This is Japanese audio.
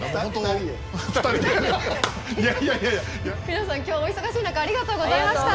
皆さん今日はお忙しい中ありがとうございました。